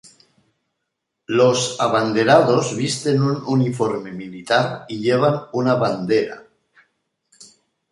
Los "abanderados" visten un uniforme militar y llevan una bandera.